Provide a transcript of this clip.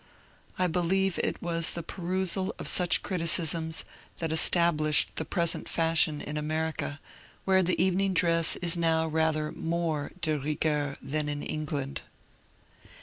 I believe it was the perusal of such criticisms that established the present fashion in America, where the evening dress is now rather more d^ rigueur than in England.